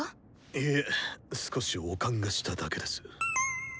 いえ少し悪寒がしただけです。